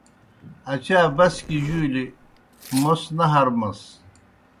اچا بَسکِیْ جُولیْ موْس نہ ہرمَس۔